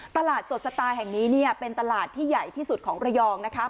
ตลาดสดสไตล์แห่งนี้เนี่ยเป็นตลาดที่ใหญ่ที่สุดของระยองนะคะ